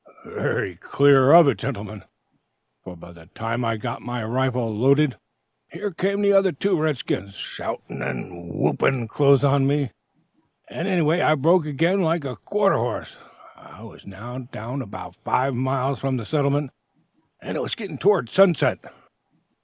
"Very clear of it, gentlemen; for by the time I got my rifle loaded, here came the other two red skins, shouting and whooping close on me, and away I broke again like a quarter horse. I was now about five miles from the settlement, and it was getting toward sunset.